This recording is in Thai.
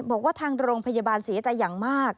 บอกว่าทางโรงพยาบาลเสียใจอย่างมาก